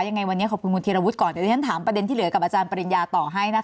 ยังไงวันนี้ขอบคุณคุณธีรวุฒิก่อนเดี๋ยวที่ฉันถามประเด็นที่เหลือกับอาจารย์ปริญญาต่อให้นะคะ